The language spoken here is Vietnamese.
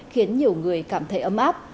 khiến nhiều người cảm thấy ấm áp